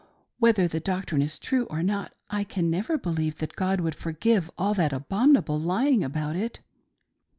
Whether the doctrine is true or not, I can never believe that God would forgive all that abominable lying about it.